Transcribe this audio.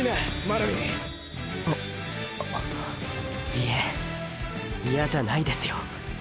いえ嫌じゃないですよ。